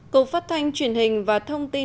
cầu phát thanh truyền hình và thông tin